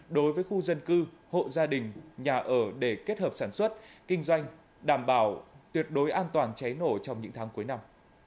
đối với khu dân cư hộ gia đình nhà ở để kết hợp sản xuất kinh doanh đảm bảo tuyệt đối an toàn cháy nổ trong những tháng cuối năm